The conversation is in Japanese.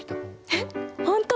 えっ本当！？